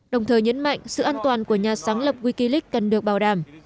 đồng thời nhấn mạnh sự an toàn của nhà sáng lập wikileak cần được bảo đảm